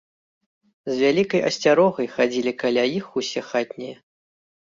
З вялікай асцярогай хадзілі каля іх усе хатнія.